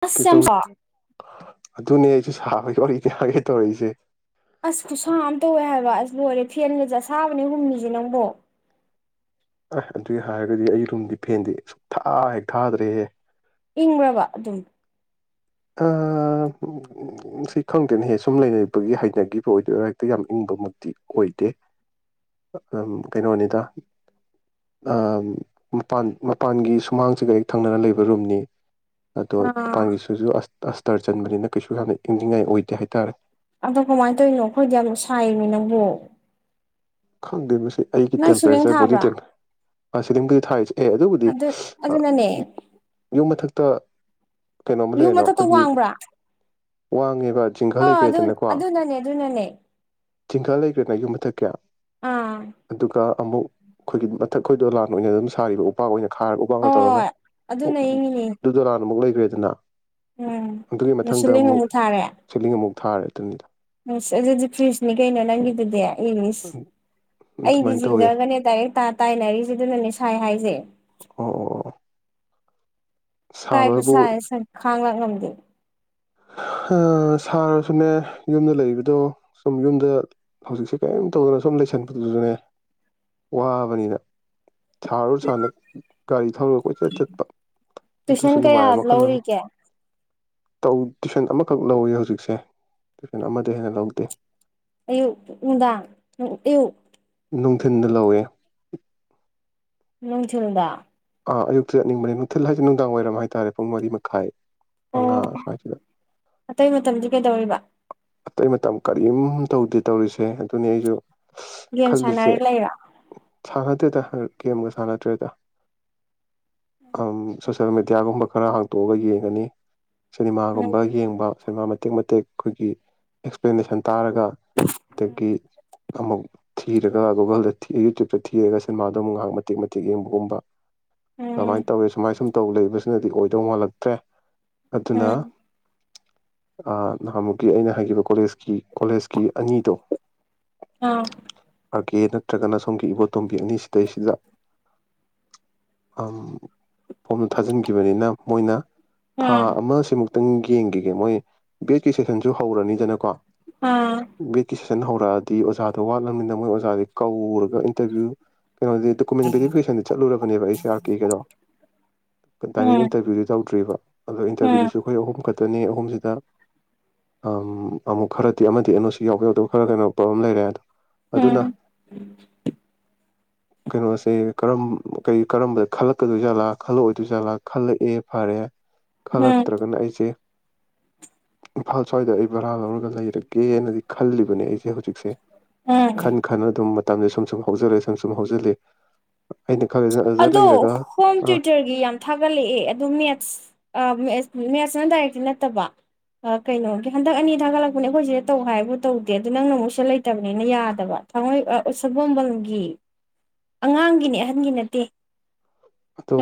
ꯑꯁ ꯌꯥꯝ ꯑꯗꯨꯅ ꯁꯥ ꯑꯗꯨꯅꯦ ꯁꯥꯕꯩ ꯑꯣꯏ ꯍꯥꯏꯒꯦ ꯇꯧꯔꯛꯏꯁꯦ ꯑꯁ ꯈꯨꯁꯥ ꯑꯃ ꯇꯧꯋꯦ ꯍꯥꯏꯕ ꯑꯁ ꯂꯣꯏꯔꯦ ꯐꯦꯟꯒꯁꯦ ꯑꯁꯥꯕꯅꯦ ꯍꯨꯝꯃꯤꯁꯦ ꯅꯪꯕꯣ ꯑꯁ ꯑꯗꯨꯏ ꯍꯥꯏꯔꯒꯗꯤ ꯑꯩ ꯔꯨꯝꯗꯤ ꯐꯦꯟꯗꯤ ꯁꯨꯡꯊꯥ ꯍꯦꯛ ꯊꯥꯗ꯭ꯔꯦꯍꯦ ꯏꯪꯕꯔ꯭ ꯕ ꯑꯗꯨꯝ [unintelligible] ꯁꯤ ꯈꯪꯗꯦꯅꯍꯦꯛ ꯁꯨꯝ ꯂꯩꯅꯅꯕꯒꯤ ꯍꯩꯅꯈꯤꯕꯒꯤ ꯑꯣꯏꯗꯣꯏꯔ ꯍꯦꯛꯇ ꯌꯥꯝ ꯏꯪꯕꯃꯛꯇꯤ ꯑꯣꯏꯗꯦ ꯑꯝ ꯀꯩꯅꯣꯅꯤꯗ ꯃꯄꯥꯟ ꯃꯄꯥꯟꯒꯤ ꯁꯨꯃꯥꯡꯁꯤꯒꯩ ꯊꯪꯅꯅ ꯂꯩꯕ ꯔꯨꯝꯅꯤ ꯑꯗꯣ ꯑꯥ ꯃꯄꯥꯥꯟꯒꯤꯁꯨ ꯑꯁꯇꯔ ꯆꯟꯕꯅꯤꯅ ꯀꯩꯁꯨ ꯌꯥꯝꯅ ꯏꯪꯅꯤꯡꯉꯥꯏ ꯑꯣꯏꯗꯦ ꯍꯥꯏꯇꯥꯔꯦ ꯑꯗꯣ ꯀꯃꯥꯏꯅ ꯇꯧꯔꯤꯅꯣ ꯑꯩꯈꯣꯏꯗꯤ ꯌꯥꯝ ꯁꯥꯏꯔꯤꯅꯦ ꯅꯪꯕꯨ ꯈꯪꯗꯦ ꯃꯁꯤ ꯑꯩꯒꯤ ꯅꯣꯏ ꯁꯤꯂꯤꯡ ꯇꯦꯝꯄꯔꯦꯆꯔ ꯕꯣꯗꯤ ꯊꯥꯕ꯭ꯔꯥ ꯁꯤꯂꯤꯕꯨꯗꯤ ꯊꯥꯏꯁꯦ ꯑꯦ ꯑꯗꯨꯕꯨꯗꯤ ꯑꯗꯨ ꯑꯗꯨꯅꯅꯦ ꯌꯨꯝ ꯃꯊꯛꯇ ꯌꯨꯝ ꯃꯊꯛꯇ ꯋꯥꯡꯕ꯭ꯔꯥ ꯋꯥꯉꯦ ꯑ ꯑꯗꯨ ꯑꯗꯨ ꯅꯅꯦ ꯑꯗꯨ ꯅꯅꯦ ꯆꯤꯡꯈꯥ ꯂꯩꯈ꯭ꯔꯦꯅ ꯌꯨꯝ ꯃꯊꯛ ꯀꯌꯥ ꯑꯥ ꯑꯃꯨꯛ ꯑꯩꯈꯣꯏꯒꯤ ꯃꯊꯛ ꯑꯩꯈꯣꯏꯗꯣ ꯂꯥꯟ ꯑꯣꯏꯅ ꯑꯗꯨꯝ ꯁꯥꯔꯤꯕ ꯎꯄꯥꯛ ꯑꯣꯏꯅ ꯈꯥꯔꯒ ꯎ ꯋꯥꯡꯒ ꯇꯧꯔꯒ ꯍꯣꯏ ꯑꯗꯨꯅ ꯏꯪꯉꯤꯅꯤ ꯑꯗꯨꯗꯣ ꯂꯥꯟꯅ ꯑꯃꯨꯛ ꯂꯩ ꯋꯦꯗꯅꯥ ꯎꯝ ꯉ ꯁꯤꯂꯡ ꯑꯃꯨꯛ ꯊꯥꯔꯦ ꯁꯤꯂꯤꯡ ꯑꯃꯨꯛ ꯊꯥꯔꯦ ꯑꯗꯨꯅꯤꯗ ꯅꯁ ꯑꯗꯨꯗꯤ ꯐ꯭ꯔꯤꯖꯅꯤ ꯀꯩꯅ ꯅꯪꯈꯤꯗꯨꯗꯤ ꯑꯩ ꯃꯤꯁ ꯑꯩꯗꯤ ꯑꯗꯨꯃꯥꯏꯅ ꯇꯧꯋꯦ ꯆꯤꯡꯖꯒꯅꯦ ꯗꯥꯏꯔꯦꯛ ꯇꯥ ꯇꯥꯏꯅꯔꯤꯁꯤꯗꯨꯅꯅꯦ ꯁꯥꯏ ꯍꯥꯏꯁꯦ ꯑꯣ ꯑꯣ ꯀꯥꯏ ꯁꯥꯕꯕꯨ ꯈꯨꯁ ꯁꯥꯏ ꯈꯥꯡꯉ ꯂꯥꯛꯄ ꯉꯝꯗꯦ ꯍꯥ ꯁꯥꯔꯁꯨꯅꯦ ꯌꯨꯝꯗ ꯂꯩꯕꯗꯣ ꯁꯨꯝ ꯌꯨꯝꯗ ꯍꯧꯖꯤꯛꯁꯦ ꯀꯔꯤꯝ ꯇꯧꯗꯅ ꯁꯨꯝ ꯂꯩꯁꯟꯕꯗꯨꯁꯨꯅꯦ ꯋꯥꯕꯅꯤꯅ ꯁꯥꯔꯨꯔ ꯁꯥꯅ ꯒꯥꯔꯤ ꯊꯔꯣꯏ ꯀꯣꯏꯆꯠ ꯆꯠꯄ ꯇꯨꯏꯁꯟ ꯑꯗꯨꯁꯨ ꯀꯌꯥ ꯅꯨꯡꯉꯥꯏꯕ ꯃꯈꯜ ꯑꯃꯅꯤ ꯂꯧꯔꯤꯒꯦ ꯇꯧ ꯇꯤꯐꯤꯟ ꯑꯃꯈꯛ ꯂꯧꯋꯤ ꯍꯧꯖꯤꯛꯁꯦ ꯇꯤꯐꯟ ꯑꯃꯗ ꯍꯦꯟꯅ ꯂꯧꯗꯦ ꯑꯌꯨ ꯎꯗꯥꯡ ꯑꯌꯨ ꯅꯨꯡꯊꯤꯤꯟꯗ ꯂꯧꯋꯦ ꯅꯅꯨꯡ ꯆꯗ ꯑꯥ ꯑꯌꯨꯛꯇ ꯆꯠꯅꯤꯡꯕꯅꯦ ꯅꯨꯡꯊꯤꯜ ꯍꯥꯏꯁꯦ ꯅꯨꯡꯗꯥꯡ ꯋꯥꯏꯔꯝ ꯍꯥꯏꯇꯥꯔꯦ ꯄꯨꯡ ꯃꯔꯤ ꯃꯈꯥꯏ ꯑꯣ ꯃꯉꯥ ꯁ꯭ꯋꯥꯏꯁꯤꯗ ꯑꯇꯩ ꯃꯇꯝꯗꯤ ꯀꯩꯗꯧꯔꯤꯕ ꯑꯇꯩ ꯃꯇꯝ ꯀꯔꯤꯝ ꯇꯧꯗꯦ ꯇꯧꯔꯤꯁꯦ ꯑꯗꯨꯅꯤ ꯑꯩꯁꯨ ꯒꯦꯝ ꯈꯜꯂꯤꯁꯦ ꯁꯥꯟꯅꯔꯤꯒ ꯂꯩꯔ ꯁꯥꯟꯅꯗꯦꯗ ꯒꯦꯝꯒ ꯁꯥꯟꯅꯗ꯭ꯔꯦꯗ ꯁꯣꯁꯦꯜ ꯃꯦꯗꯤꯌꯥꯒꯨꯝꯕ ꯈꯔ ꯍꯥꯡꯇꯣꯛꯑꯒ ꯌꯦꯡꯉꯅꯤ ꯎꯝ ꯁꯤꯅꯦꯃꯥꯒꯨꯝꯕ ꯌꯦꯡꯕ ꯁꯤꯅꯦꯃꯥ ꯃꯇꯦꯛ ꯃꯇꯦꯛ ꯑꯩꯈꯣꯏꯒꯤ ꯑꯦꯛꯁꯄ꯭ꯂꯅꯦꯁꯟ ꯇꯥꯔꯒ ꯑꯗꯒꯤ ꯑꯃꯨꯛ ꯊꯤꯔꯒ ꯒꯨꯒꯜꯗ ꯌꯨꯇ꯭ꯌꯨꯕꯇ ꯊꯤꯔꯒ ꯁꯤꯅꯦꯃꯥꯗ ꯑꯃꯨꯛ ꯉꯥꯏꯍꯥꯛ ꯃꯇꯤꯦꯛ ꯃꯇꯦꯛ ꯌꯦꯡꯕꯒꯨꯝꯕ ꯎꯝ ꯀꯃꯥꯏꯅ ꯇꯧꯋꯤ ꯁꯨꯃꯥꯏ ꯁꯨꯝ ꯃꯇꯧ ꯂꯩꯕꯁꯤꯅꯗꯤ ꯑꯣꯏꯗꯧ ꯃꯥꯜꯂꯛꯇ꯭ꯔꯦ ꯑꯗꯨꯅ ꯎꯝ ꯑ ꯅꯃꯨ ꯀ ꯑꯩꯅ ꯍꯥꯏꯈꯤꯕ ꯀꯣꯂꯦꯖ ꯀꯣꯂꯦꯖꯀꯤ ꯑꯅꯤꯗꯣ ꯑꯥ ꯀꯦ ꯅꯠꯇ꯭ꯔꯒꯅ ꯁꯣꯝꯒꯤ ꯏꯕꯣꯇꯣꯝꯕꯤ ꯑꯅꯤꯁꯤꯗꯩꯁꯤꯗ ꯄꯣꯝꯅ ꯊꯥꯖꯤꯟꯈꯤꯕꯅꯤꯅ ꯃꯣꯏꯅ ꯊꯥ ꯑꯥ ꯑꯃ ꯁꯤꯃꯨꯛꯇ ꯈꯤꯇꯪ ꯌꯦꯡꯈꯤꯒꯦ ꯃꯣꯏ ꯁꯦꯁꯟꯁꯨ ꯍꯧꯔꯅꯤꯗꯅꯀꯣ ꯑꯥ ꯁꯟ ꯍꯧꯔꯛꯑꯗꯤ ꯑꯣꯖꯥꯗꯣ ꯋꯥꯠꯂꯕꯅꯤꯅ ꯃꯣꯏ ꯑꯣꯖꯥꯗꯤ ꯀꯧꯔꯒ ꯏꯟꯇꯔꯚꯤꯌꯨ ꯀꯩꯅꯣꯗꯤ ꯗꯣꯀꯨꯃꯦꯟ ꯕꯦꯔꯤꯐꯤꯀꯦꯁꯟꯗ ꯆꯠꯂꯨꯔꯕꯅꯦꯕ ꯑꯩꯁꯦ ꯑꯥꯔ ꯀꯦ ꯀꯩꯗꯣ ꯗꯥꯏꯔꯦꯛ ꯎꯝ ꯏꯟꯇꯔꯚ꯭ꯌꯨꯗꯤ ꯇꯧꯗ꯭ꯔꯤꯕ ꯑꯗꯣ ꯎꯝ ꯏꯟꯇꯔꯚ꯭ꯌꯨꯗꯨꯁꯨ ꯑꯩꯈꯣꯏ ꯑꯍꯨꯝꯈꯛ ꯑꯗꯨꯅꯤ ꯑꯍꯨꯝꯁꯤꯗ ꯑꯃꯨꯛ ꯈꯔꯗꯤ ꯑꯃꯗꯤ ꯑꯅꯣꯁꯤ ꯌꯥꯎꯕ ꯌꯥꯎꯗꯕ ꯈꯔ ꯀꯩꯅꯣ ꯄ꯭ꯔꯣꯕ꯭ꯂꯦꯝ ꯂꯩꯔꯦ ꯑꯗꯣ ꯑꯗꯨꯅ ꯎꯝ ꯀꯩꯅꯣꯁꯦꯔꯝ ꯀ ꯀꯔꯝꯕꯗ ꯈꯜꯂꯛꯀꯗꯣꯏꯖꯥꯠꯂꯥ ꯈꯜꯂꯛꯑꯣꯏꯗꯣꯏꯖꯥꯠꯂꯥ ꯈꯜꯂꯛꯑꯦ ꯐꯔꯦ ꯎꯝ ꯈꯜꯂꯛꯇ꯭ꯔꯒꯅ ꯑꯩꯁꯦ ꯏꯝꯐꯥꯜ ꯁ꯭ꯋꯥꯏꯗ ꯑꯩ ꯕꯔꯥ ꯂꯧꯔꯒ ꯂꯩꯔꯒꯦꯅꯗꯤ ꯈꯜꯂꯤꯕꯅꯦ ꯑꯩꯁꯦ ꯍꯧ ꯍꯧꯖꯤꯛꯁꯦ ꯎꯝ ꯈꯟ ꯈꯅ ꯑꯗꯨꯝ ꯃꯇꯝꯁ ꯁꯨꯝ ꯁꯨꯝ ꯍꯧꯖꯜꯛꯏ ꯁꯨꯝ ꯁꯨꯝ ꯍꯧꯖꯤꯜꯂꯤ ꯑꯩꯅ ꯈꯜꯂꯤꯁꯤꯅ ꯑꯗꯨꯗ ꯑꯗꯣ ꯂꯩꯔꯒ ꯍꯣꯝ ꯑꯥ ꯇ꯭ꯌꯨꯇꯔꯒꯤ ꯌꯥꯝ ꯊꯥꯒꯠꯂꯛꯑꯦ ꯑꯗꯨꯗꯣ ꯃꯦꯠꯁ ꯃꯦꯠꯁꯤꯅ ꯗꯥꯏꯔꯦꯛꯇꯤ ꯅꯠꯇꯕ ꯀꯩꯅꯣꯒꯤ ꯍꯟꯗꯛ ꯑꯅꯤ ꯊꯥꯒꯠꯂꯛꯄꯅꯦ ꯑꯩꯈꯣꯏ ꯁꯤꯗ ꯇꯧ ꯍꯥꯏꯕꯨ ꯇꯧꯗꯦ ꯑꯗꯨ ꯅꯪꯅ ꯑꯃꯨꯛ ꯁꯦ ꯂꯩꯇꯕꯅꯤꯅ ꯌꯥꯗꯕ ꯊꯥꯡꯃꯣꯏ ꯁꯒꯣꯕꯝꯒꯤ ꯑꯉꯥꯡꯒꯤꯅꯦ ꯑꯍꯟꯒꯤ ꯅ ꯇꯦ ꯑꯗꯨꯣ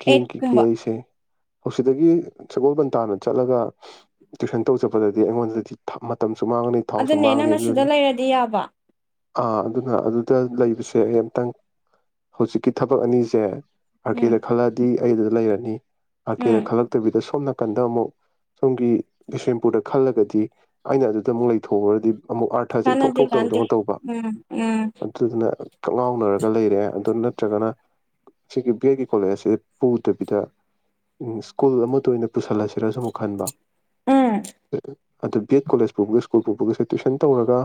ꯀ ꯀ ꯀꯁꯦ ꯍꯧꯛꯇꯗꯒꯤ ꯁꯒꯣꯜꯕꯟ ꯇꯥꯅ ꯆꯠꯂꯒ ꯇ꯭ꯋꯏꯁꯟ ꯇꯧ ꯆꯠꯄꯗꯗꯤ ꯑꯩꯉꯣꯟꯗꯗꯤ ꯃꯇꯝ ꯑꯗꯨꯅꯦ ꯅꯪꯅ ꯁꯤꯗ ꯂꯩꯔꯗꯤ ꯌꯥꯕ ꯑꯥ ꯑꯗꯨꯅ ꯑꯗꯨꯗ ꯂꯩꯕꯁꯦ ꯑꯝꯇꯪ ꯍꯧꯖꯤꯛꯀꯤ ꯊꯕꯛ ꯑꯅꯤꯁꯦ ꯑꯥꯔꯀꯦꯗ ꯎꯝ ꯈꯜꯂꯗꯤ ꯑꯩꯗꯨꯗ ꯂꯩꯔꯅꯤ ꯎꯝ ꯑꯀꯦꯗ ꯈꯜꯂꯛꯇꯕꯤꯗ ꯁꯣꯝꯅ ꯀꯟꯗ ꯑꯃꯨꯛ ꯁꯣꯝꯒꯤ ꯕꯤꯁꯦꯝꯄꯨꯔꯗ ꯈꯜꯂꯒꯗꯤ ꯑꯩꯅ ꯑꯗꯨꯗ ꯑꯃꯨꯛ ꯂꯩꯊꯣꯛꯎꯨꯔꯗꯤ ꯑꯃꯨꯛ ꯑꯥꯔꯊꯁꯦ ꯏꯊꯣꯛ ꯀꯥꯟꯅꯗꯦ ꯀꯥꯟꯗꯦ ꯊꯣꯛꯇꯕꯗꯧꯅ ꯇꯧꯕ ꯎꯝ ꯎꯝ ꯑꯗꯨꯗꯨꯅ ꯀꯥꯛꯂꯥꯎꯅꯔꯒ ꯂꯩꯔꯦ ꯑꯗꯨ ꯅꯠꯇ꯭ꯔꯒꯅ ꯁꯤ ꯑꯩꯒꯤ ꯀꯣꯂꯦꯖꯁꯦ ꯄꯨꯗꯕꯤꯗ ꯎ ꯁ꯭ꯀꯨꯜ ꯑꯃꯗ ꯑꯣꯏꯅ ꯄꯨꯁꯜꯂꯁꯤꯔꯁꯨ ꯑꯃꯨꯛ ꯈꯟꯕ ꯎꯝ ꯍ ꯑꯗꯣ ꯕꯤ ꯑꯦꯠ ꯀꯣꯂꯦꯖ ꯄꯨꯕꯒ ꯁ꯭ꯀꯨꯜ ꯄꯨꯕꯒꯁꯦ ꯇꯨꯋꯏꯁꯟ ꯇꯧꯔꯒ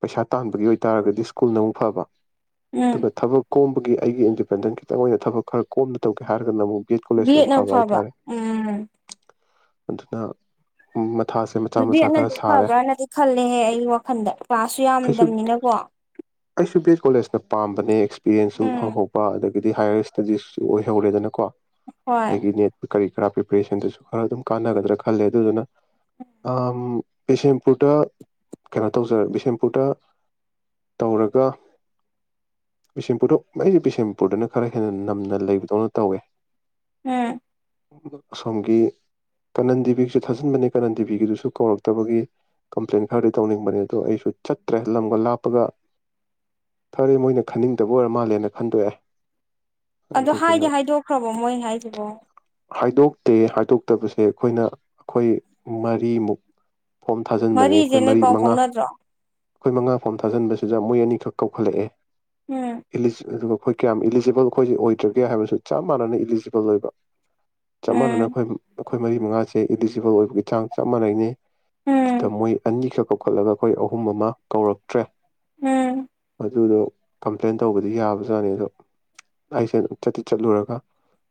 ꯄꯩꯁꯥ ꯇꯥꯟꯕꯒꯤ ꯑꯣꯏꯇꯥꯔꯒꯗꯤ ꯁ꯭ꯀꯨꯜꯅ ꯑꯃꯨꯛ ꯐꯕ ꯎꯝ ꯑꯗꯨꯒ ꯊꯕꯛ ꯀꯣꯝꯕꯒꯤ ꯑꯩꯒꯤ ꯏꯟꯗꯤꯄꯦꯟꯗꯦꯟꯁ ꯇꯃꯣꯏꯅ ꯊꯕꯛ ꯈꯔ ꯀꯣꯝꯅ ꯇꯧꯒꯦ ꯍꯥꯏꯔꯒꯅ ꯑꯃꯨꯛ ꯕꯤ ꯑꯦꯠ ꯀꯣꯂꯦꯖꯅ ꯕꯤꯠꯅꯎ ꯐꯕ ꯍꯥꯏꯇꯥꯔꯦ ꯎꯝ ꯑꯗꯨꯅ ꯃꯊꯥꯁꯦ ꯃꯆꯥ ꯃꯆꯥ ꯈꯔ ꯑꯗꯨꯗꯤꯅꯗꯤ ꯁꯥꯔꯦ ꯐꯕ꯭ꯔꯅꯗꯤ ꯈꯜꯂꯦꯍꯦ ꯑꯩꯒꯤ ꯋꯥꯈꯜꯗ ꯀ꯭ꯂꯥꯁꯁꯨ ꯑꯩꯁꯨ ꯌꯥꯝꯗꯕꯅꯤꯅꯀꯣ ꯑꯩꯁꯨ ꯕꯤ ꯑꯦꯁ ꯀꯣꯂꯦꯖꯅ ꯄꯥꯝꯕꯅꯦꯁ ꯄꯦꯟꯁꯨ ꯎꯝ ꯍꯪꯍꯣꯛꯄ ꯑꯗꯒꯤ ꯑꯗꯤ ꯍꯥꯏꯌꯔ ꯏꯁꯇꯗꯤꯁꯁꯨ ꯑꯣꯏꯍꯧꯔꯦꯗꯅꯀꯣ ꯍꯣꯏ ꯍꯥꯏꯅꯦ ꯀꯔꯤ ꯀꯔꯥ ꯄ꯭ꯔꯤꯄꯦꯔꯦꯁꯟꯗꯨꯁꯨ ꯈꯔ ꯑꯗꯨꯝ ꯀꯥꯟꯅꯒꯗ꯭ꯔꯥ ꯈꯜꯂꯦ ꯑꯗꯨꯗꯨꯅ ꯕꯤꯁꯦꯝꯄꯨꯔꯗ ꯀꯩꯅꯣ ꯇꯧꯖ ꯕꯤꯁꯦꯝꯄꯨꯔꯗ ꯇꯧꯔꯒ ꯕꯤꯁꯦꯝꯄꯨꯔꯗ ꯑꯩꯁꯦ ꯕꯤꯁꯦꯝ ꯃꯅꯤꯄꯨꯔꯗꯅ ꯈꯔ ꯍꯦꯟꯅ ꯅꯝꯅ ꯂꯩꯕꯗꯧꯅ ꯇꯧꯋꯦ ꯎꯝ ꯑꯁꯣꯝꯒꯤ ꯀꯥꯅꯟ ꯇꯤꯕꯤꯒꯤꯁꯨ ꯊꯥꯖꯤꯟꯕꯅꯦ ꯀꯥꯅꯟ ꯇꯤꯕꯤꯒꯤꯗꯨꯁꯨ ꯀꯧꯔꯛꯇꯕꯒꯤ ꯀꯝꯄ꯭ꯂꯦꯟ ꯈꯔꯗꯤ ꯇꯧꯅꯤꯡꯕꯅꯦ ꯑꯗꯣ ꯑꯩꯁꯨ ꯆꯠꯇ꯭ꯔꯦ ꯂꯝꯒ ꯂꯥꯞꯄꯒ ꯈꯔꯦ ꯃꯣꯏꯅ ꯈꯟꯅꯤꯡꯗꯕ ꯑꯣꯏꯔ ꯃꯥꯜꯂꯦꯅ ꯈꯟꯗꯣꯛꯑꯦ ꯑꯗ ꯑꯗꯨꯗꯨꯅ ꯍꯥꯏꯗꯤ ꯍꯥꯏꯗꯣꯛꯈ꯭ꯔꯕꯣ ꯃꯣꯏ ꯍꯥꯏꯁꯤꯕꯣ ꯍꯥꯏꯗꯣꯛꯇꯦ ꯍꯥꯏꯗꯣꯛꯇꯕꯁꯦ ꯑꯩꯈꯣꯏꯅ ꯑꯩꯈꯣꯏ ꯃꯔꯤꯃꯨꯛ ꯐꯣꯝ ꯊꯥꯖꯤꯟꯕꯅꯦ ꯃꯔꯤꯁꯦ ꯑꯩꯈꯣꯏ ꯅꯣꯏ ꯃꯔꯤ ꯄꯥꯎ ꯃꯉꯥ ꯐꯥꯎꯅꯗ꯭ꯔꯣ ꯑꯩꯈꯣꯏ ꯃꯉꯥ ꯐꯣꯝ ꯊꯥꯖꯟꯕꯁꯤꯗ ꯃꯣꯏ ꯑꯅꯤꯈꯛ ꯀꯧꯈꯠꯂꯛꯑꯦ ꯎꯝ ꯏ ꯀꯌꯥꯝ ꯏꯂꯤꯖꯤꯕꯜ ꯑꯩꯈꯣꯏꯁꯦ ꯑꯣꯏꯗ꯭ꯔꯒꯦ ꯍꯥꯏꯕꯁꯨ ꯆꯞ ꯃꯥꯟꯅꯅ ꯏꯂꯤꯖꯤꯕꯜ ꯑꯣꯏꯕ ꯆꯞ ꯃꯥꯟꯅꯅ ꯎꯝ ꯑꯩꯈꯣꯏ ꯑꯩꯈꯣꯏ ꯃꯔꯤ ꯃꯉꯥꯁꯦ ꯏꯗꯤꯖꯤꯕꯜ ꯑꯣꯏꯕꯒꯤ ꯆꯥꯡ ꯆꯞ ꯃꯥꯟꯅꯩꯅꯦ ꯑꯗꯨꯗ ꯎꯝ ꯃꯣꯏ ꯑꯅꯤꯈꯛ ꯆꯥꯎꯈꯠꯂꯒ ꯑꯩꯈꯣꯏ ꯑꯍꯨꯝ ꯑꯃ ꯀꯧꯔꯛꯇ꯭ꯔꯦ ꯎꯝ ꯑꯗꯨꯗꯣ ꯀꯝꯄ꯭ꯂꯦꯟ ꯇꯧꯕꯗꯤ ꯌꯥꯕꯖꯥꯅꯤ ꯑꯗꯣ ꯑꯩꯁꯦ ꯑꯗꯨꯝ ꯆꯠꯇꯤ ꯆꯠꯂꯨꯔꯒ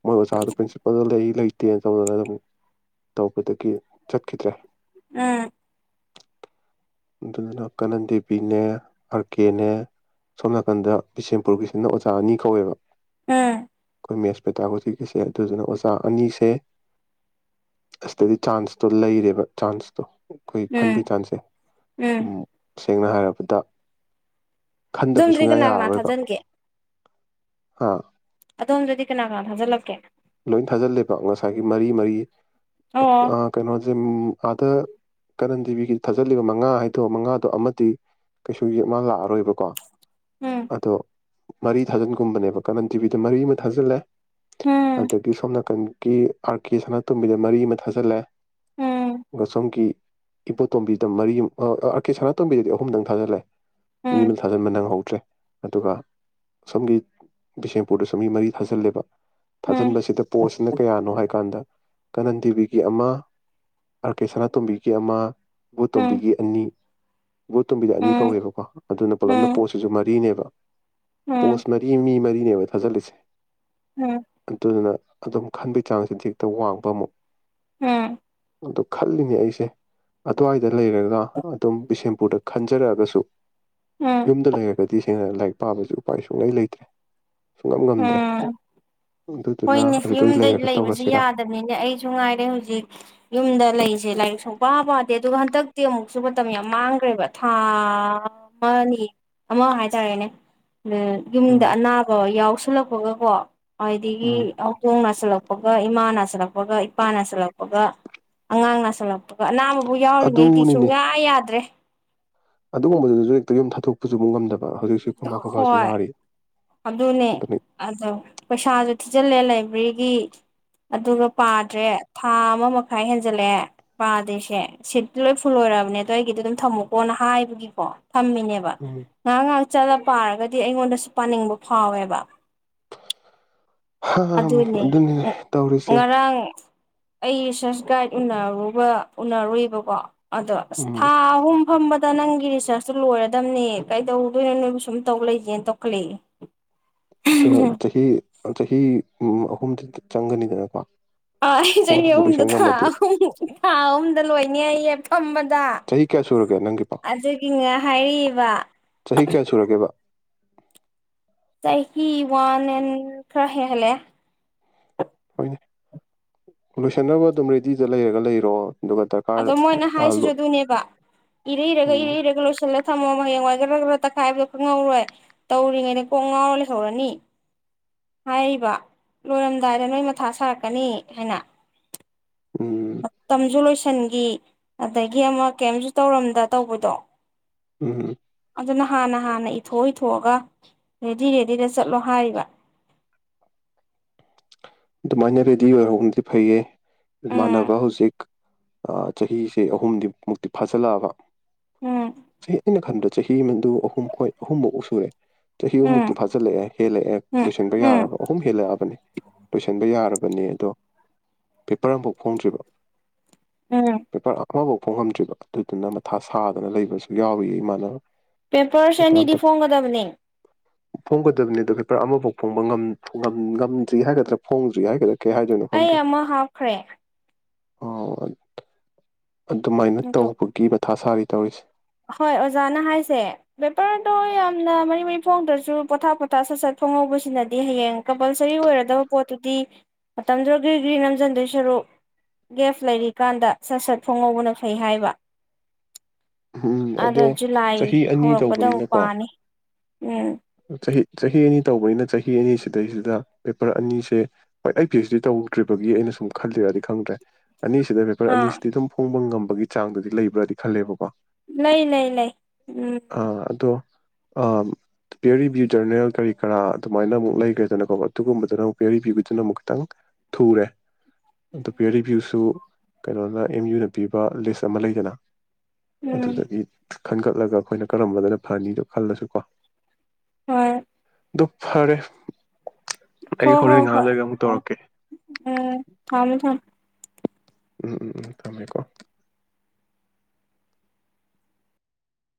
ꯃꯣꯏ ꯑꯣꯖꯥꯗꯣ ꯄ꯭ꯔꯤꯟꯁꯤꯄꯥꯜꯗ ꯂꯩ ꯂꯩꯇꯦꯅ ꯇꯧꯗꯅ ꯑꯗꯨꯝ ꯇꯧꯕꯗꯒꯤ ꯆꯠꯈꯤꯗ꯭ꯔꯦ ꯎꯝ ꯑꯗꯨꯗꯨꯅ ꯀꯥꯅꯟ ꯗꯦꯕꯤꯅꯦ ꯑꯥꯔ ꯀꯦꯅꯦ ꯁꯣꯝ ꯅꯥꯀꯟꯗ ꯕꯤꯁꯦꯝꯄꯨꯔꯒꯤꯁꯤꯅ ꯑꯣꯖꯥ ꯆ ꯑꯅꯤ ꯀꯧꯋꯦꯕ ꯎꯝ ꯑꯩꯈꯣꯏ ꯃꯦꯠꯁ ꯄꯦꯇꯥꯒꯣꯊꯤꯒꯤꯁꯦ ꯑꯗꯨꯗꯨꯅ ꯑꯣꯖꯥ ꯑꯅꯤꯁꯦ ꯑꯁꯤꯁꯇꯗꯤ ꯆꯥꯟꯁꯇꯣ ꯂꯩꯔꯦꯕ ꯆꯥꯟꯁꯇꯣ ꯑꯩꯈꯣꯏ ꯎꯝ ꯈꯟꯕꯒꯤ ꯆꯥꯟꯁꯦ ꯎꯝ ꯁꯦꯡꯅ ꯍꯥꯏꯔꯕꯗ ꯨꯑꯝꯗ꯭ꯔꯤꯒꯅꯅꯥꯒꯅꯥ ꯊꯖꯅꯒꯦ ꯑꯥ ꯑꯗꯣꯝꯗꯗꯤ ꯀꯅꯥ ꯀꯅꯥ ꯊꯥꯖꯤꯜꯂꯛꯀꯦꯅ ꯂꯣꯏ ꯊꯥꯖꯤꯜꯂꯦꯕ ꯉꯁꯥꯏꯒꯤ ꯃꯔꯤ ꯃꯔꯤ ꯑꯣ ꯑ ꯀꯩꯅꯣ ꯑ ꯑꯥꯗ ꯀꯔꯟ ꯗꯦꯕꯤꯒꯤ ꯊꯥꯖꯜꯂꯤꯕ ꯃꯉꯥ ꯍꯥꯏꯗꯣ ꯃꯉꯥꯗꯣ ꯑꯃꯗꯤ ꯀꯩꯁꯨ ꯌꯦ ꯃꯥ ꯂꯥꯛꯑꯔꯣꯏꯕꯀꯣ ꯎꯝ ꯑꯗꯣ ꯃꯔꯤ ꯊꯥꯖꯤꯟꯒꯨꯝꯕꯅꯦꯕ ꯀꯔꯝ ꯇꯤꯚꯤꯗ ꯃꯔꯤ ꯑꯃ ꯊꯥꯖꯤꯜꯂꯦ ꯎꯝ ꯑꯗꯒꯤ ꯁꯣꯝ ꯅꯥꯀꯟ ꯀꯤ ꯑꯥꯔ ꯀꯦ ꯁꯅꯥꯇꯣꯝꯕꯤꯗ ꯃꯔꯤ ꯑꯃ ꯊꯥꯖꯜꯂꯦ ꯎꯝ ꯑꯗꯨꯒ ꯁꯣꯝꯒꯤ ꯏꯕꯣꯇꯣꯝꯕꯤꯗ ꯃꯔꯤ ꯑꯃ ꯑꯥꯔ ꯀꯦ ꯁꯅꯥꯇꯣꯝꯕꯤꯗꯗꯤ ꯑꯍꯨꯝꯗꯪ ꯊꯥꯖꯜꯂꯦ ꯃꯤ ꯑꯃ ꯎꯝ ꯊꯥꯖꯤꯟꯕ ꯅꯪꯍꯧꯗ꯭ꯔꯦ ꯑꯗꯨꯒ ꯁꯣꯝꯒꯤ ꯕꯤꯁꯦꯝꯄꯨꯔꯗꯁꯨ ꯃꯤ ꯃꯔꯤ ꯊꯥꯖꯤꯜꯂꯦꯕ ꯎꯝ ꯎꯝ ꯊꯥꯖꯤꯟꯕꯁꯤꯗ ꯄꯣꯠꯁꯤꯅ ꯀꯌꯥꯅꯣ ꯍꯥꯏꯀꯥꯟꯗ ꯀꯅꯟ ꯗꯦꯕꯤꯒꯤ ꯑꯃ ꯑꯥꯔ ꯀꯦ ꯁꯅꯥꯇꯣꯝꯕꯤꯒꯤ ꯑꯃ ꯎꯝ ꯏꯕꯣꯇꯣꯝꯕꯤꯒꯤ ꯑꯅꯤ ꯏꯕꯕꯨꯣꯠꯇꯣꯕꯤꯗ ꯑꯅꯤ ꯎꯝ ꯀꯧꯋꯦꯕꯀꯣ ꯑꯗꯨꯅ ꯄꯨꯣꯂꯞꯅ ꯄꯣꯠꯁꯤꯁꯨ ꯃꯔꯤꯅꯦꯕ [inaudible] ꯎꯝ ꯄꯣꯁ ꯃꯔꯤ ꯃꯤ ꯃꯔꯤ ꯊꯕ ꯊꯥ ꯆꯂꯤꯁ ꯎꯝ ꯑꯗꯨꯗꯨꯅ ꯑꯗꯨꯝ ꯈꯟꯕꯒꯤ ꯆꯥꯡꯁꯤꯗꯤ ꯍꯦꯛꯇ ꯋꯥꯡꯕ ꯑꯃꯨꯛ ꯎꯝ ꯑꯗꯨ ꯈꯜꯂꯤꯅꯦ ꯑꯩꯁꯦ ꯑꯗꯨ꯭ꯋꯥꯏꯗ ꯂꯩꯔꯒ ꯑꯗꯨꯝ ꯕꯤꯁꯦꯝꯄꯨꯔꯗ ꯈꯟꯖꯔꯛꯑꯒꯁꯨ ꯎꯝ ꯌꯨꯝꯗ ꯂꯩꯦꯒꯦ ꯏꯇꯤꯁꯤꯡꯅ ꯂꯥꯏꯔꯤꯛ ꯄꯥꯕꯁꯨ ꯎꯄꯥꯏ ꯁꯨꯡꯂꯩ ꯂꯩꯇ꯭ꯔꯦ ꯁꯨꯡꯉꯝ ꯉꯝꯗ꯭ꯔꯦ ꯎꯝ ꯑꯗꯨꯗꯨꯅ ꯍꯣꯏꯅꯦ ꯑꯗꯨꯗ ꯌꯨꯝꯗ ꯂꯩꯔꯒ ꯂꯩꯕꯕꯁꯤ ꯇꯧꯔꯁꯤꯔꯥ ꯌꯥꯗꯕꯅꯤꯅꯦ ꯑꯩꯁꯨ ꯉꯥꯏꯔꯦ ꯍꯧꯖꯤꯛ ꯌꯨꯝꯗ ꯂꯩꯁꯦ ꯂꯥꯏꯔꯤꯛ ꯁꯨꯡ ꯄ ꯄꯥꯗꯦ ꯑꯗꯨꯒ ꯍꯟꯗꯛꯇꯤ ꯑꯃꯨꯛꯁꯨ ꯃꯇꯝ ꯌꯥꯝ ꯃꯥꯡꯈ꯭ꯔꯦꯕ ꯊꯥ ꯑꯃꯅꯤ ꯑꯃ ꯍꯥꯏꯇꯥꯔꯦꯅꯦ ꯌꯨꯝꯗ ꯎꯝ ꯑꯅꯥꯕ ꯌꯥꯎꯏ ꯁꯂꯄꯣꯒꯦ ꯀꯣ ꯎꯝ ꯑꯗꯒꯤꯣꯡ ꯉꯁꯤꯜꯂꯛ ꯒ ꯏꯃꯥ ꯅꯥꯁꯤꯜꯂꯛꯄꯒ ꯏꯄꯥ ꯅꯥꯁꯤꯜꯂꯛꯄꯒ ꯑꯉꯥꯡ ꯅꯥꯁꯤꯜꯂꯛꯄꯒ ꯑꯅꯥꯃꯨ ꯑꯣ ꯌꯥꯎꯔꯤꯉꯩꯗꯤ ꯁꯨꯡꯌꯥ ꯌꯥꯗ꯭ꯔꯦ ꯑꯗꯨꯒꯨꯝꯕꯗꯨꯗꯁꯨ ꯍꯦꯛꯇ ꯌꯨꯝ ꯊꯥꯗꯣꯛꯄꯁꯨ ꯑꯃꯨꯛ ꯉꯝꯗꯕ ꯍꯧꯖꯤꯛꯁꯨ ꯈꯨꯕꯥ ꯈꯨꯕꯥꯁꯨ ꯍꯣꯏ ꯅꯥꯔꯤ ꯑꯗꯨꯅꯦ ꯑꯗꯨꯅꯤ ꯑꯗ ꯄꯩꯁꯥ ꯁꯨ ꯊꯤꯖꯤꯜꯂꯦ ꯂꯥꯏꯕ꯭ꯔꯦꯔꯤꯒꯤ ꯑꯗꯨꯒ ꯄꯥꯗ꯭ꯔꯦ ꯊꯥ ꯑꯃ ꯃꯈꯥꯏ ꯍꯦꯟꯖꯜꯂꯛꯑꯦ ꯄꯥꯗ꯭ꯔꯤꯁꯦ ꯁꯤꯠꯇꯤ ꯂꯣꯏ ꯐꯨꯜ ꯑꯣꯏꯣꯏꯔꯕꯅꯦꯗꯣ ꯑꯩꯒꯤꯗꯤ ꯑꯗꯨꯝ ꯊꯝꯃꯨꯀꯣꯅ ꯍꯥꯏꯕꯒꯤꯀꯣ ꯊꯝꯃꯤꯅꯦꯕ ꯎꯝ ꯉꯥꯏꯍꯥꯛ ꯉꯥꯛ ꯆꯗ ꯄꯥꯔꯒꯗꯤ ꯑꯩꯉꯣꯟꯗꯁꯨ ꯄꯥꯅꯤꯡꯕ ꯐꯥꯎꯋꯦꯕ ꯍꯥ ꯑꯗꯨꯅꯦ ꯑꯗꯨꯅꯤ ꯇꯧꯔꯤꯁꯦ ꯉꯔꯥꯡ ꯑꯩ ꯔꯤꯁꯔꯁ ꯒꯥꯏꯗ ꯎꯅꯔꯨꯕ ꯎꯅꯔꯨꯏꯕꯀꯣ ꯑꯗꯣ ꯎꯝ ꯁꯨꯝ ꯐꯝꯕꯗ ꯅꯪꯒꯤ ꯔꯤꯆꯥꯔꯖꯇꯨ ꯂꯣꯏꯔꯗꯝꯅꯦ ꯀꯩꯗꯧꯗꯣꯏꯅꯣ ꯅꯣꯏꯕꯨ ꯁꯨꯝ ꯇꯧ ꯂꯩꯒꯦꯅ ꯇꯧꯈꯠꯂꯛꯏꯦ ꯆꯍꯤ ꯆꯍꯤ ꯑꯍꯨꯝꯗꯨ ꯆꯪꯒꯅꯤꯗꯅꯀꯣ ꯑꯥ ꯑꯩ ꯆꯍꯤ ꯑꯍꯨꯝꯗꯨꯁꯨ ꯑꯍꯨꯝꯗ ꯂꯣꯏꯁꯟ ꯊꯥ ꯉꯝꯃꯗꯤ ꯑꯍꯨꯝ ꯊꯥ ꯑꯍꯨꯝꯗ ꯂꯣꯏꯅꯦ ꯑꯩꯌꯦ ꯐꯝꯕꯗ ꯆꯍꯤ ꯀꯌꯥ ꯁꯨꯔꯒꯦ ꯅꯪꯒꯤꯕꯣ ꯑꯗꯨꯒꯤꯅ ꯍꯥꯏꯕ ꯆꯍꯤ ꯀꯌꯥ ꯁꯨꯔꯒꯦꯕ ꯆꯥꯏ ꯍ ꯋꯥꯟ ꯑꯦꯟ ꯈꯔ ꯍꯦ ꯍꯜꯦ ꯍꯣꯏꯅꯦ ꯂꯣꯏꯁꯟꯅꯕ ꯑꯗꯨꯝ ꯔꯦꯗꯤꯗ ꯂꯩꯔꯒ ꯂꯩꯔꯣ ꯑꯗꯨꯒ ꯗꯔꯀꯥꯔ ꯑꯗ ꯃꯣꯏꯅ ꯑ ꯍꯥꯏꯁꯤꯁꯨ ꯂꯣ ꯑꯗꯨꯅꯦꯕ ꯏꯔꯩꯔꯒ ꯎꯝ ꯏꯔꯩꯔꯒ ꯂꯣꯏꯁꯤꯜꯂ ꯊꯝꯃ ꯍꯌꯦꯡꯋꯥꯏ ꯈꯗ꯭ꯔꯥ ꯈ꯭ꯔꯥ ꯇꯛꯈꯥꯏꯕꯗꯣ ꯈꯪꯍꯧꯔꯣꯏ ꯇꯧꯔꯤꯉꯩꯗ ꯀꯣꯛ ꯉꯥꯎꯔ ꯂꯩꯍꯧꯔꯅꯤ ꯍꯥꯏꯔꯤꯕ ꯂꯣꯏꯔꯝꯗꯥꯏꯗ ꯅꯣꯏ ꯃꯊꯥ ꯁꯥꯔꯛꯀꯅꯤ ꯍꯥꯏꯅ ꯎꯝ ꯇꯖꯨ ꯂꯣꯏꯁ ꯁꯟꯒꯤ ꯑꯗꯒꯤ ꯑꯃ ꯀꯔꯤꯝꯁꯨ ꯇꯧꯔꯝꯗ ꯇꯧꯕꯗꯣ ꯎꯝ ꯑꯗꯨꯅ ꯍꯥꯟꯅ ꯍꯥꯟꯅ ꯏꯊꯣꯛ ꯏꯊꯣꯛꯑꯒ ꯔꯦꯗꯤ ꯔꯦꯗꯤꯗ ꯆꯠꯂꯣ ꯍꯥꯏꯔꯤꯕ ꯑꯗꯨꯃꯥꯏꯅ ꯔꯦꯗꯤ ꯑꯣꯏꯍꯧꯕꯅꯗꯤ ꯐꯩꯌꯦ ꯎꯝ ꯏꯃꯥꯟꯅꯕ ꯍꯧꯖꯤꯛ ꯆꯍꯤꯁꯦ ꯑꯍꯨꯝꯗꯤ ꯃꯨꯛꯇꯤ ꯐꯥꯖꯤꯜꯂꯛꯑꯕ ꯎꯝ ꯆꯍꯤ ꯑꯩꯅ ꯈꯟꯕꯗ ꯆꯍꯤ ꯑꯃꯗꯨ ꯑꯍꯨꯝ ꯍꯣꯏ ꯑꯍꯨꯝꯐꯧ ꯁꯨꯔꯦ ꯆꯍꯤ ꯎꯝ ꯑꯃꯃꯨꯛꯇꯤ ꯐꯥꯖꯤꯜꯂꯛꯑꯦ ꯍꯦꯜꯂꯛꯑꯦ ꯎꯝ ꯂꯣꯏꯁꯤꯟꯕ ꯎꯝ ꯌꯥꯔꯕ ꯑꯍꯨꯝ ꯍꯦꯜꯂꯛꯑꯕꯅꯤ ꯂꯣꯏꯁꯤꯟꯕ ꯌꯥꯔꯕꯅꯦ ꯑꯗꯣ ꯄꯦꯄꯔ ꯑꯃꯝꯐꯥꯎ ꯐꯣꯡꯗ꯭ꯔꯤꯕ ꯎꯝ ꯄꯄ ꯑꯈꯕꯧ ꯐꯣꯡꯉꯝꯗ꯭ꯔꯤꯕ ꯑꯗꯨꯗꯨꯅ ꯃꯊꯥ ꯁꯥꯗꯅ ꯂꯩꯕꯁꯨ ꯌꯥꯎꯏ ꯏꯃꯥꯟꯅꯕꯅꯕ ꯄꯦꯄꯔꯁ ꯑꯅꯤꯗꯤ ꯐꯣꯡꯒꯗꯕꯅꯤ ꯐꯣꯡꯒꯗꯕꯅꯤꯗ ꯑꯃꯐꯥꯎ ꯐꯣꯡꯕ ꯉ ꯇꯔꯤ ꯍꯥꯏꯒ꯭ꯔꯥ ꯐꯣꯡꯗ꯭ꯔꯤ ꯍꯥꯏꯒꯗ꯭ꯔꯥ ꯀꯩ ꯍꯥꯏꯗꯣꯏꯅꯣ ꯑꯩ ꯈꯪꯗ꯭ꯔꯦ ꯑꯃ ꯍꯥꯞꯈ꯭ꯔꯦ ꯑꯣ ꯑꯗꯨꯃꯥꯏꯅ ꯑꯗꯨ ꯇꯧꯕꯒꯤ ꯊꯥꯁꯥꯔꯤ ꯇꯧꯔꯤꯁꯦ ꯍꯣꯏ ꯑꯣꯖꯥꯅ ꯍꯥꯏꯁꯦ ꯄꯕꯦꯄꯔꯗꯣ ꯌꯥꯝꯅ ꯃꯔꯤ ꯃꯔꯤ ꯐꯣꯡꯗ꯭ꯔꯁꯨ ꯄꯣꯊꯥ ꯄꯣꯊꯥ ꯁꯠ ꯁꯠ ꯐꯣꯡꯍꯧꯕꯁꯤꯅꯗꯤ ꯍꯌꯦꯡ ꯀꯝꯄꯜꯁꯔꯤ ꯑꯣꯏꯔꯗꯕ ꯄꯣꯠꯇꯨꯗꯤ ꯃꯇꯝꯗꯨꯗ ꯒ꯭ꯔꯤꯒ꯭ꯔꯤ ꯅꯁꯤꯟꯗꯣꯏ ꯁꯔꯨꯛ ꯒꯦꯐ ꯂꯩꯔꯤꯀꯥꯟꯗ ꯁꯠ ꯁꯠ ꯐꯣꯡꯍꯧꯕꯅ ꯐꯩ ꯍꯥꯏꯕ ꯎꯝ ꯑꯗ ꯑꯗꯣ ꯖꯨꯂꯥꯏ ꯆꯍꯤ ꯑꯅꯤ ꯍꯧꯔꯛꯄꯗ ꯑꯃꯨꯛ ꯇꯧꯕꯅꯤꯅꯀꯣ ꯄꯥꯅꯤ ꯎꯝ ꯆꯍꯤ ꯆꯍꯤ ꯑꯅꯤ ꯇꯧꯕꯅꯤꯅ ꯆꯍꯤ ꯑꯅꯤꯁꯤꯗꯩꯁꯤꯗ ꯄꯦꯄꯔ ꯑꯅꯤꯁꯦ ꯍꯣꯏ ꯑꯩ ꯄꯤ ꯑꯩꯆ ꯗꯤ ꯇꯧꯗ꯭ꯔꯤꯕꯒꯤ ꯑꯩꯅ ꯁꯨꯝ ꯈꯜꯂꯤꯔꯗꯤ ꯈꯪꯗ꯭ꯔꯦ ꯑꯅꯤꯁꯤꯗ ꯄꯦꯄꯔ ꯑꯥ ꯑꯅꯤꯁꯤꯗꯤ ꯑꯗꯨꯝ ꯐꯣꯡꯕ ꯉꯝꯃꯦ ꯒꯤ ꯆꯥꯡꯗꯨꯗꯤ ꯂꯩꯕ꯭ꯔꯥꯗꯤ ꯈꯜꯂꯦꯕꯀꯣ ꯂꯩ ꯂꯩ ꯂꯩ ꯎꯝ ꯄꯦꯌ ꯔꯤꯕ꯭ꯌꯨ ꯖꯔꯅꯦꯜ ꯀꯔꯤ ꯀꯔꯥ ꯑꯗꯨꯃꯥꯏꯅ ꯑꯃꯨꯛ ꯂꯩꯈ꯭ꯔꯦꯗꯅꯀꯣ ꯑꯗꯨꯒꯨꯝꯕꯗꯨꯅ ꯑꯃꯨꯛ ꯄꯤꯌ ꯔꯤꯕꯚ꯭ꯌꯨꯗꯨꯅ ꯑꯃꯨꯛ ꯈꯤꯇꯪ ꯊꯨꯔꯦ ꯑꯣ ꯄꯦꯌ ꯔꯤꯕꯚ꯭ꯌꯨꯁꯨ ꯀꯩꯅꯣꯅ ꯑꯦꯝ ꯌꯨꯅ ꯄꯤꯕ ꯂꯤꯁ ꯑꯃ ꯂꯩꯗꯅ ꯎꯝ ꯑꯗꯨꯗꯒꯤ ꯈꯟꯒꯠꯂꯒ ꯑꯩꯈꯣꯏꯅ ꯀꯔꯝꯕꯗꯅ ꯐꯅꯤꯗꯣ ꯈꯜꯂꯁꯨꯀꯣ ꯍꯣꯏ ꯗꯨ ꯐꯔꯦ ꯍ ꯑꯩ ꯍꯣ ꯍꯣꯔꯦꯟ ꯉꯥꯏꯍꯥꯛ ꯍꯣꯏ ꯂꯩꯔꯒ ꯑꯃꯨꯛ ꯎꯝ ꯇꯧꯔꯛꯀꯦ ꯊꯃ ꯊꯃ ꯎꯝ ꯎꯝ ꯎꯝ ꯊꯝꯃꯦꯀꯣ